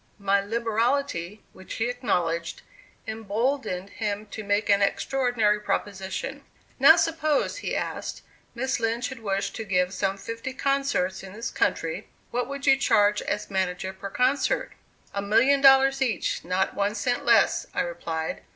My liberality, which he acknowledged, emboldened him to make an extraordinary proposition: "Now suppose," he asked, "Miss Lind should wish to give some fifty concerts in this country, what would you charge as manager, per concert?" "A million dollars each, not one cent less," I replied.